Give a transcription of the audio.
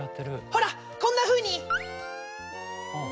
ほらこんなふうに！